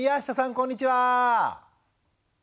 こんにちは。